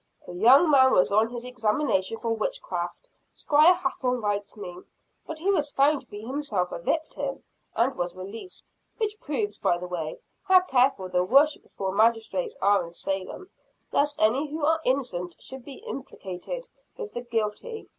"A young man was on his examination for witchcraft, Squire Hathorne writes me; but he was found to be himself a victim, and was released which proves, by the way, how careful the worshipful magistrates are in Salem, lest any who are innocent should be implicated with the guilty.